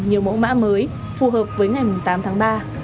nhiều mẫu mã mới phù hợp với ngày tám tháng ba